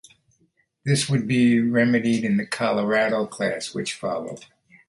This would be remedied in the "Colorado" class which followed.